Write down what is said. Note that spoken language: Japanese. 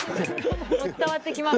伝わってきます